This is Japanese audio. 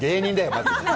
まず。